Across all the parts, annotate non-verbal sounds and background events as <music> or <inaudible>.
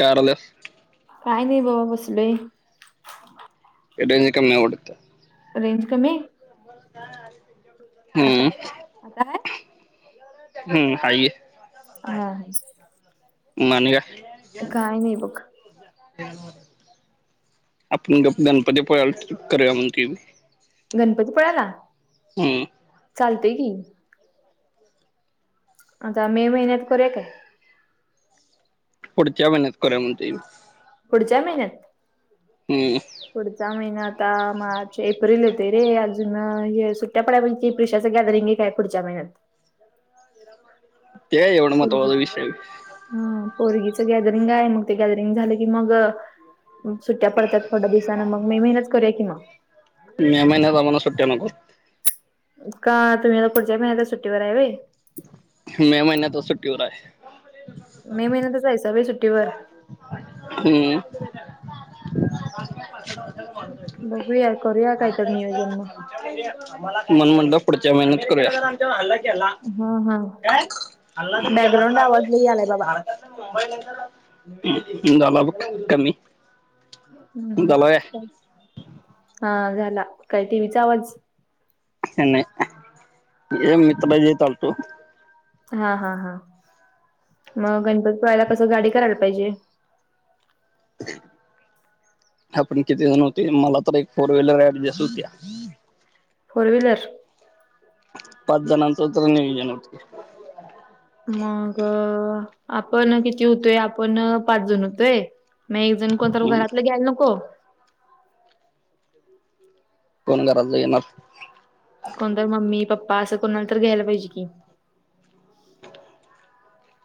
कारल्यास? काय नाही बबा. बसलोय. रेंज कम ना वडतं. रेंज कमीय? आता हम्म. आहे? आता आहे? हम्म. हाय हा. म आणि काय? काय नाही बघ आपूण गप गणपती पुळ्याला ट्रिप करुया, म्हणतीय मी. गणपती पुळ्याला? हम्म. चालतय, की. आता मे महिन्यात, करूया काय? पुढच्या महिन्यात करुया, म्हणतोय मी. पुढच्या महिन्यात? हम्म. पुढचा महिना आता, मार्च- एप्रिल येतेय रे. अजून हे सुट <unintelligible> प्रेक्षाच गॅदरिंगय त्या पुढच्या महिन्यात. ते काय एवढं महत्त्वाचा विषय. हं, पोरगीच गॅदरिंगाय. मग ते गॅदरिंग झाले की, मग सुट्ट्या पडत्यात थोड्या दिवसानं. मग मे महिन्याच करूया की, मग. मे महिन्यात, आम्हाला सुट्ट्या नको. का, तुम्ही आता पुढच्या महिन्यातच, सुट्टीवर हाय वय. मे महिन्यात आता सुट्टीवर हाय. मे महिन्यातच हायसा वय सुट्टीवर? हम्म. बघूया, करूया कायतर नियोजन म मन म्हणलं पुढच्या महिन्यात करूया. हा हा काय बॅकग्राऊंड आवाज लई आलाय बाबा <unintelligible> झाला बघ कमी. झाला व्हय ह् हा झाला, काय टी वी चा आवाज नाही, हे मित्राच्या इथं आलतो. हा, हा, हा, म गणपतीपुळ्याला कसं, गाडी करायला पाहिजे. आपण किती जण होतोय,, मला तर एक फोर व्हीलर ऍडजस्ट होत्या. Four wheeler? पाच जनाच तर नियोजन <unintelligible> मग आपण किती होतोय, आपण पाच जण होतोय. मग एक जण कोणतर हम्म घरातलं ग्यायला नको? कोण घरातलं येणार? कोणतर मम्मी, पप्पा असं कोणाला तर घ्यायला पाहिजे की.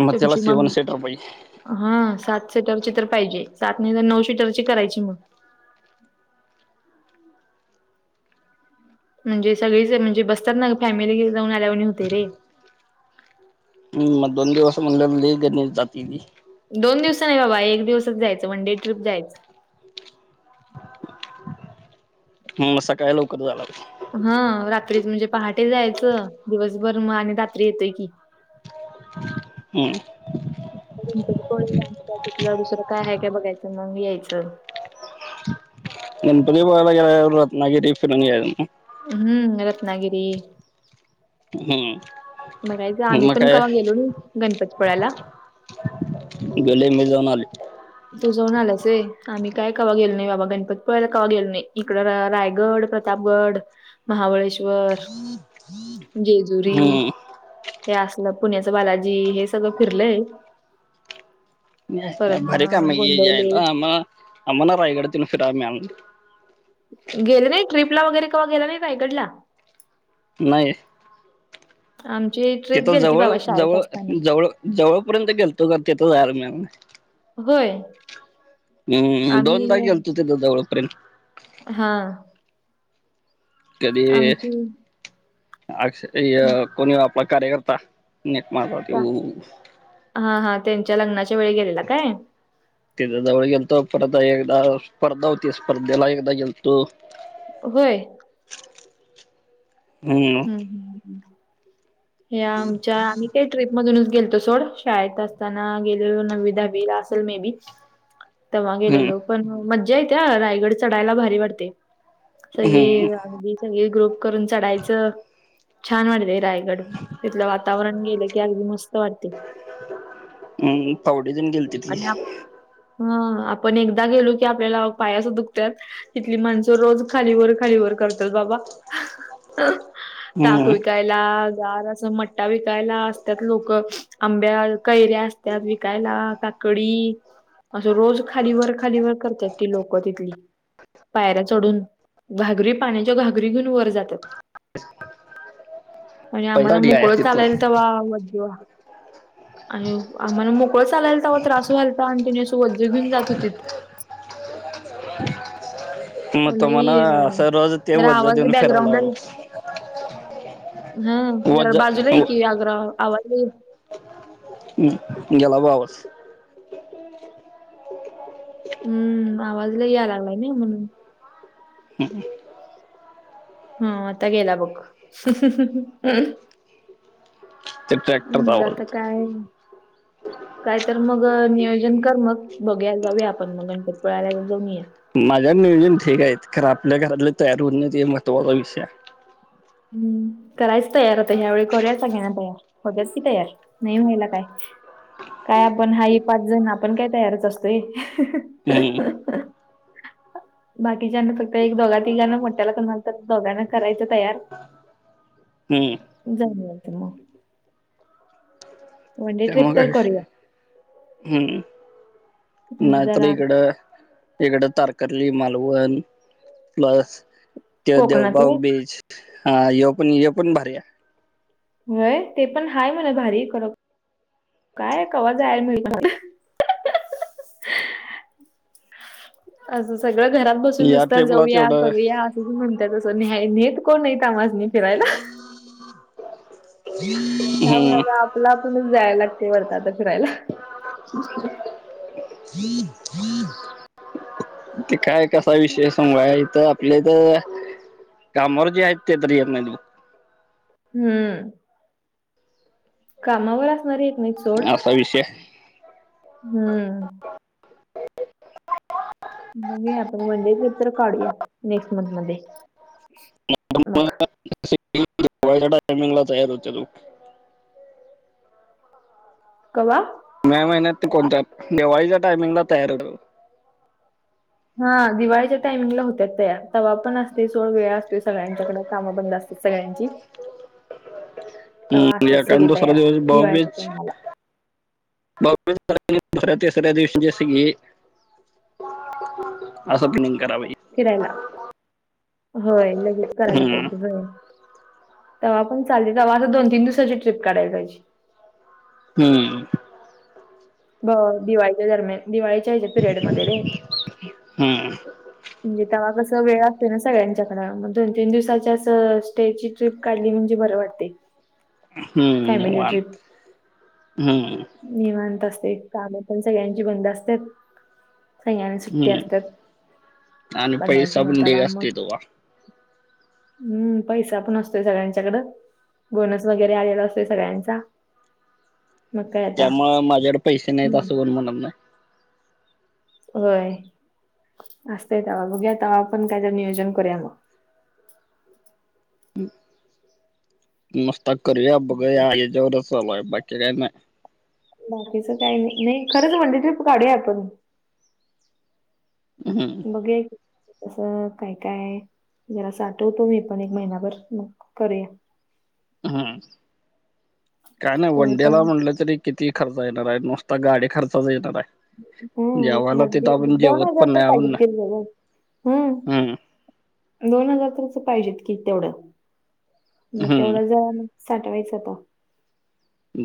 मग त्याला तुमची मम सेवन सीटर पाहिजे हा, सात सीटरची तर पाहिजे, सात नाही तर नऊ सिटरची करायची मग. म्हणजे सगळीच, म्हणजे बसत्यात ना फॅमिली घेऊन जाऊन आल्यावाणी होतय रे. हम्म, मग दोन दिवस म्हणलं लई गणित जातय ते दोन दिवस नाही बाबा, एक दिवसच जायचं, वनडे ट्रिप जायचं. म, सकाळी लवकर जाया लागल हा रात्रीच म्हणजे, पहाटे जायचं, दिवसभर म आणि रात्री येतोय की. हम्म्म. गणपती पुळे आणि दुसरं काय हाय काय बघायचं मग यायचं. गणपती पुळेला गेल्यावर रत्नागिरी फिरून यायचं म हम्म रत्नागिरी हम्म. बगायच आम्ही मग पण काय कवा गेलो नाही गणपतीपुळ्याला. गेलोय मी जाऊन आलोय. तू जाऊन आलायस व्हयं, आम्ही काय कवा गेलो नाही बाबा, गणपतीपुळ्याला कवा गेलो नाही, इकड रायगड, प्रतापगड, महाबळेश्वर, जेजुरी हम्म हे असलं, पुण्याच बालाजी हे सगळं फिरलंय. नाही, परत ना भारी काम हेज्या गोंदवले आयला, आम्हा, आम्हाला रायगड तेन फिराय मिळायला नाही. गेले नाही ट्रिपला वगैरे कवा गेला नाही रायगडला? नाही आमचे तिथ जवळ, जवळ, जवळ जवळपर्यंत गेलतो का तिथं जायला मिळल नाही होय हम्म, आम्ही दोनदा गेलतो तिथ जवळपर्यंत हां कधी आमची आक्ष ह्य कोण ह्यो आपला कार्यकर्ता निक माझा का त्यो हा, हा त्येच्या लग्नाच्या वेळी गेलेला काय? तिथं जवळ गेलतो, परत एकदा स्पर्धा होती स्पर्धेला एकदा गेलतो. व्हय. <unintelligible> हं. हं. हं. हम. या आमच्या आम्ही काय ट्रीप मधूनच गेलतो सोड. शाळेत असताना गेलेलो. नववी दहावीला असल मे बी तेव्हा हम्म गेलेलो. पण म मज्जा येते हां. रायगड चढायला भारी वाटते. हम्म सगळी अगदी- सगळी ग्रुप करून चढायचं. छान वाटते रायगड. तिथलं वातावरण गेलं की अगदी मस्त वाटतं. हम्म. मंग मी फावडी घेऊन गेलो. आणि आप, हं. आपण एकदा गेलो की आपल्याला पाय असं दुखत्यात. तीथली माणसं रोज खाली वर खाली वर करतात बाबा. हम्म <unintelligible> काय. -ला गार अस मट्टा विकायला असत्यात लोक. आंब्या, कैऱ्या- -त्यात विकायला. का - -कडी. असं रोज खाली वर खाली वर करत्यात ती लोकं तिथली. पायऱ्या चढून. घागरी पाण्याच्या घागरी घेऊन वर जात्यात. आणि आम्हाला पैसा ढीग आहे मोकळ चालायला तिथं तवा आलं जीवा - आणि आम्हाला मोकळ चालायला- तवा त्रास व्हालता. आणि तेंनी असं ओझ्झ घेऊन जात होतीत. मग तो म्हणा लई. अ असं रोज ते जरा वजा आवाज देऊन फिरायला बॅकग्राउंडला लागला - हं. जरा वजा बाजूला ये कि. <unintelligible> आवाज- हम. गेला बघ आवाज. हम्म. आवाज लई यायला लागलाय ना म्हणून. <unintelligible> हं. आता गेला बघ. ते ट्रॅक्टरचा म्हटलं आवाज आता होता काय? काय तर म नियोजन कर मग. बघायला जाऊया आपण मग गणपतीपुळाल्या जाऊन या. माझ्या नियोजन ठीक आहेत. कारण आपल्या घरातले तयार होत नाहीत. हे महत्त्वाचा विषय या. हम्म. करायच तयार आता ह्या वेळी करूया सगळ्यांना तयार. होत्यात की तयार. नाही व्हायला काय? काय आपण हाई पाच जण. आपण काय तयारच असतोय. हम. बाकीच्याना फक्त एक दोघा तिघाना मोट्याला कुणाला तर दोघांना करायचं तयार. हम्म. जाऊन यायचं मग. वन डे ट्रिप त्यामुळे तर काय करूया <unintelligible> हम्म. म्हणजे नाहीतर जरा इकड- इकड तारकर्ली, मालवण प्लस ते कोकणात व्हय देवबाग बीच. हा. ह्यो पण, ह्यो पण भारी ए. व्हय. ते पण हाय म्हणा भारी खर. काय कवा जाया मिळत- असं सगळं घरात आहे बसून या नुसतं ट्रिपला जाऊया तेवढं करू या. तुम्ही म्हणता तस, न्याय नेत कोण नाही आम्हास्नी. हम्म. <unintelligible> लागतय आता बर फिरायला. <inaudible> ते काय कसा विषय सांगू <unintelligible> इथं- लेबर कामावर जे आहेत ते तरी येत नाहीत बघ. हम्म. कामावर असणारी येत नाहीत सोड. काय विषय? हम्म. बघूया आपण वनडे ट्रिप तर काढूया, नेक्स्ट मंथ मध्ये. मग <unintelligible> टाइमिंगला तयार होते लोक. कवा? मे महिन्यात कोणत्या, दिवाळीच्या टायमिंगला तयार होतो हा, दिवाळीच्या टायमिंगला होत्यात तयार. तवा पण असते सोड, वेळ असतोय सगळ्यांच्याकड, कामं बंद असतात. सगळ्यांची हम्म, तवा असतात <unintelligible> सगळे दुसरा तयार दिवस दिवाळीच्या भाऊबीज टायमाला भाऊबीज झाली की दुसऱ्या, तिसऱ्या दिवशी जसे की <inaudible> असं <unintelligible> करावं फिरायला, होय लगेच करायला हम्म पाहिजे, होय. तवा पण चालेल, तवा त दोन-तीन दिवसाची ट्रिप काढाय पाहिजे. हम्म. ब दिवाळीच्या दरम्यान, दिवाळीच्या ह्याच्यात पिरियडमध्ये रे. हम्म म्हणजे तवा कसं वेळ असते ना सगळ्यांच्याकड, मग दोन-तीन दिवसाच्या अस स्टेची ट्रीप काढली म्हणजे बरं वाटते. हम्म, फॅमिली निवांत. ट्रिप हम्म. निवांत असते, कामं पण सगळ्यांची बंद असत्यात सगळ्यांना सुट्ट्या हम्म असतात, आणि पैसा बघायचं मग, पण ढीग तेव्हा असतोय मग. तवा हम्म, पैसा पण असतोय सगळ्यांच्याकडं. बोनस वगैरे आलेला असतोय सगळ्यांचा. मग काय आता त्यामुळ माझ्याकडं पैसे नाहीत हम्म असं कोण म्हणत नाही. होय, असतंय तवा, बघूया तवा पण कायतरी नियोजन करूया मग. मस्ताक करूया, बघूया याच्यावरच चालू आहे. बाकी काही नाय. बाकीचं काही नाही, नाही खरंच वन डे ट्रिप काढूया आपण. हम्म बघूया असं काय काय, जरा साठवतो मी पण एक महिनाभर, मग करूया. हू, काय नाय, वन तुम्ही डेला पण म्हटलं तरी किती खर्च येणार आहे? नुसता गाडी खर्चच येणार आहे. हम्म, एक जेवायला म्हटली, तिथं आपण दोन जेवत हजार पण तर नाही आपण ना. पाहिजेत, <unintelligible> हम्म. दोन हजार तर पाहिजेत की तेवढं, मग हम्म तेवढं जाऊन साठवायचं का?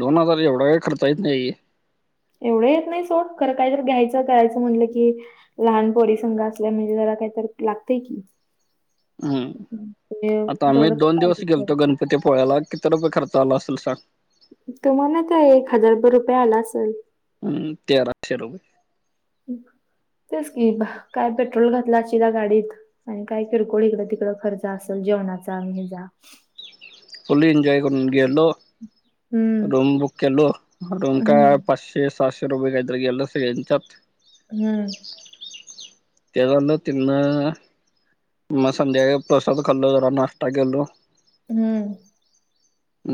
दोन हजार एवढा काही खर्चा येत नाहीे. एवढं येत नाही सोड, खरं काहीतरी घ्यायचं, करायचं म्हटलं की लहान पोरी संग असल्या म्हणजे जरा काहीत लागतंय की. हम्म, ते आता आम्ही तेवढं तर दोन दिवस पाहिजे गेलतो गण पतीपुळ्याला, किती रुपये खर्च आला असेल सांग? तुम्हाला काय, एक हजार भर रुपये आला असेल. हम्म, तेराशे रुपये. तेच की, काय पेट्रोल घातला असशीला गाडीत. आणि काय किरकोळ इकड, तिकड खर्च असल. जेवणाचा आणि हेजा. फुल एनजॉय करून, गेलो हम्म रूम बुक केलो, रुम काय हम्म पाच् तेे सातशे रुपये काही तरी गेला असता <unintelligible> हम्म. त्याला तिलंन <unintelligible> मग संध्याकाळी प्रसाद खाल्लो, जरा नाश्ता केलो. हम्म.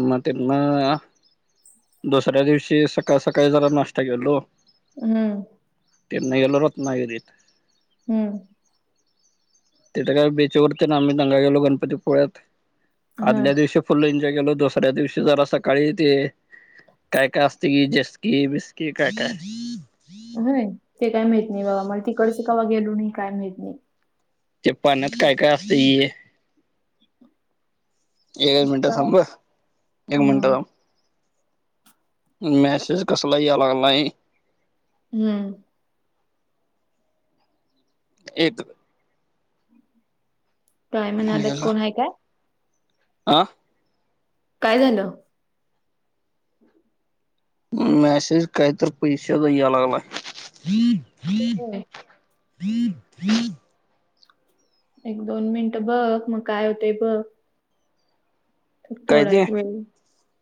म ते ना <unintelligible> दुसऱ्या दिवशी सकाळी, सकाळी जरा नाष्टा केलो. हम्म. तिथन गेलो रत्नागिरी. हम्म. तिथं काय बीच वरती ना आम्ही दंगा केलो गणपती पोळ्यात हा आदल्या दिवशी फुल एन्जॉय केल दुसऱ्या दिवशी जरा सकाळी ते काय, काय असते जस्की, बिस्की काय, काय होय ते काय माहित नाही बाबा मला तिकडच कवा गेलो काय माहित नाही. ते पाण्यात काय, काय असतये? एक मिनटं का थांब अ, एक मिनट थांब. मेसेज कशाला याय लागलाय? हम्म. एक <inaudible> काय म्हणाल्यात कोण आहे काय? आ? काय झालं? मेसेज काहीतरी पैशाच्या याय लागलाय. होय, <inaudible> एक, दोन मिनट बघ, मग काय होतंय बघ. काय थोडा ते एक वेळ,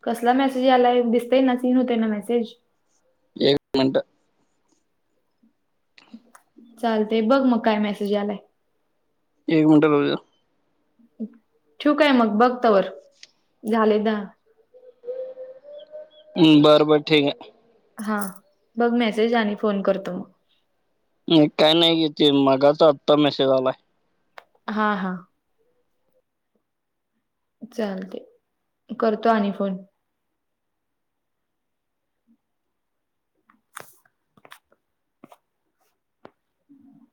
कसला मेसेज आलाय दिसतय ना सीन होते ना मेसेज? एक मिनट. चालतय बघ मग काय मेसेज आलाय. एक मिनटं बघुदे. ठेवू काय मग? बघ तवर झाले दहा हम्म, बर बर ठीक आहे. हा बघ मेसेज आणि फोन करतो मग. ते काय नाही ते मागाचा आत्ता मेसेज आलाय. हा हा. चालते करतो आणि फोन.